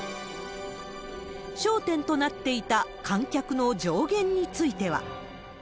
焦点となっていた観客の上限については。